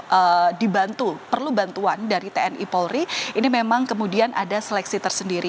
yang dibantu perlu bantuan dari tni polri ini memang kemudian ada seleksi tersendiri